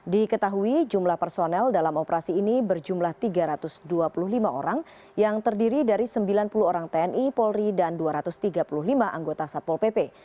diketahui jumlah personel dalam operasi ini berjumlah tiga ratus dua puluh lima orang yang terdiri dari sembilan puluh orang tni polri dan dua ratus tiga puluh lima anggota satpol pp